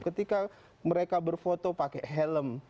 ketika mereka berfoto pakai helm